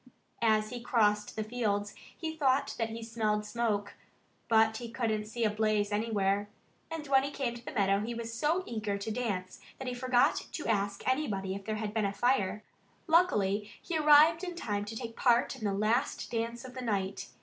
As he crossed the fields he thought that he smelled smoke. But he couldn't see a blaze anywhere. And when he came to the meadow he was so eager to dance that he forgot to ask anybody if there had been a fire. Luckily he arrived in time to take part in the last dance of the night.